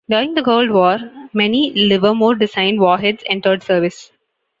During the Cold War, many Livermore-designed warheads entered service.